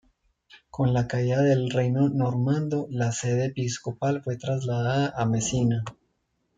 Con la caída del reino normando, la sede episcopal fue trasladada a Mesina.